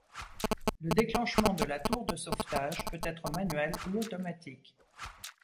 Le déclenchement de la tour de sauvetage peut être manuel ou automatique.